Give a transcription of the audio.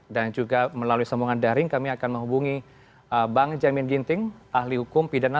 dan juga melalui sambungan daring kami akan menghubungi bang jamin ginting ahli hukum pidana